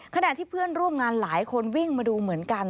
ขณะที่เพื่อนร่วมงานหลายคนวิ่งมาดูเหมือนกัน